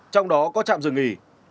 trong đó có trạm dừng nghỉ